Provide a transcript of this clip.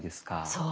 そう。